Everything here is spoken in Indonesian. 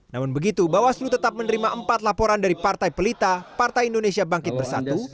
namun begitu bawaslu tetap menerima empat laporan dari partai pelita partai indonesia bangkit bersatu